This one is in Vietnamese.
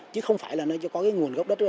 chứ không phải là nó có cái nguồn gốc đất đó